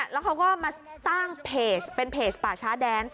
แล้วเขาก็มาตั้งเพจเป็นเพจป่าช้าแดนซ์